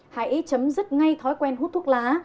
hãy chấm dứt ngay thói quen hút thuốc lá